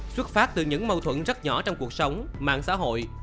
xuất phát từ những mâu thuẫn rất nhỏ trong cuộc sống mạng xã hội